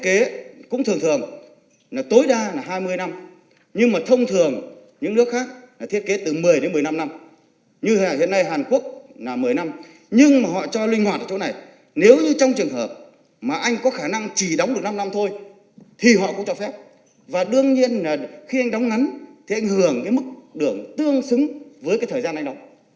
khi anh đóng ngắn thì anh hưởng cái mức đường tương xứng với cái thời gian anh đóng